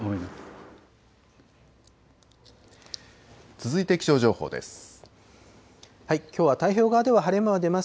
続いて、気象情報です。